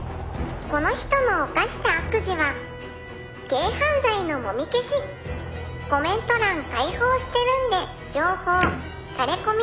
「この人の犯した悪事は軽犯罪のもみ消し」「コメント欄開放してるんで情報タレコミ